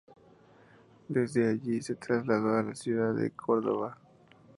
Desde allí se trasladó a la ciudad de Córdoba.